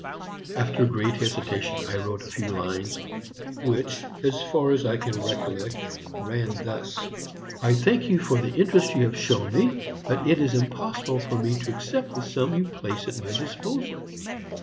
After great hesitation I wrote a few lines, which, as far as I can recollect, ran thus: "'I thank you for the interest you have shown me, but it is impossible for me to accept the sum you place at my disposal.